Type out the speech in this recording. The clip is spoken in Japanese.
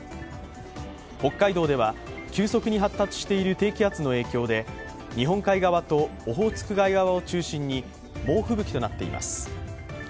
北海道では急速に発達している低気圧の影響で日本海側とオホーツク海側を中心に猛吹雪となっています。